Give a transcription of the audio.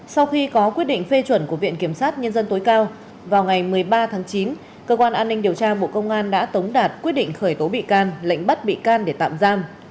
sau khi có quyết định phê chuẩn của viện kiểm sát nhân dân tối cao vào ngày một mươi ba tháng chín cơ quan an ninh điều tra bộ công an đã tống đạt quyết định khởi tố bị can lệnh bắt bị can để tạm giam